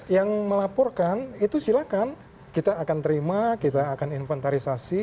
yang melaporkan itu silakan kita akan terima kita akan inventarisasi